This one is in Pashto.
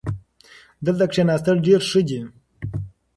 دلته کښېناستل ډېر ښه دي.